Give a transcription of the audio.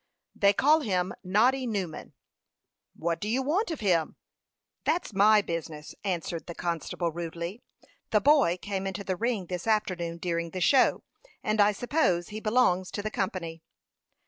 "They call him Noddy Newman." "What do you want of him?" "That's my business," answered the constable, rudely. "The boy came into the ring this afternoon during the show, and I suppose he belongs to the company."